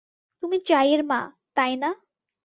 তুমি চাইয়ের মা, তাই না?